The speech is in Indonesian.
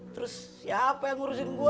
terus siapa yang ngurusin gue